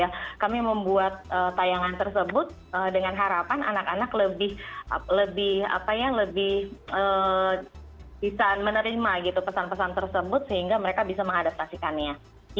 dan kami membuat tayangan tersebut dengan harapan anak anak lebih bisa menerima pesan pesan tersebut sehingga mereka bisa mengadaptasikannya